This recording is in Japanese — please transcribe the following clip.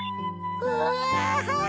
うわ！